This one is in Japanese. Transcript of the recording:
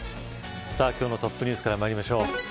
今日のトップニュースからまいりましょう。